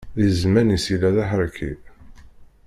Di zzman-is yella d aḥerki.